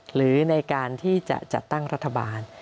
หรือในการที่จะจัดตั้งรัฐบาล